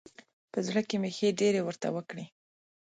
په زړه کې مې ښې ډېرې ورته وکړې.